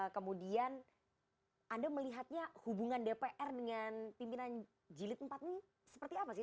kemudian anda melihatnya hubungan dpr dengan pimpinan jilid empat ini seperti apa sih